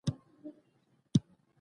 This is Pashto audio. ایا نرسانو چلند ښه و؟